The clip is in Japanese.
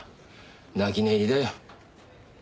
泣き寝入りだよ。